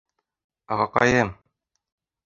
Ағаҡайым!